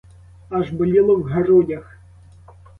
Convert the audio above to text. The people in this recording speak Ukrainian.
Аж боліло в грудях.